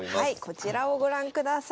こちらをご覧ください。